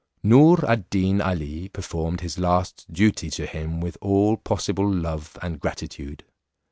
Noor ad Deen Ali, performed his last duty to him with all possible love and gratitude.